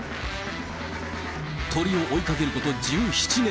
鳥を追いかけること１７年。